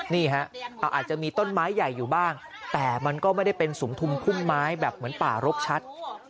นี่ฮะอาจจะมีต้นไม้ใหญ่อยู่บ้างแต่มันก็ไม่ได้เป็นสุมทุมพุ่มไม้แบบเหมือนป่ารกชัด